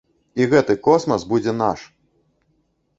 І гэты космас будзе наш!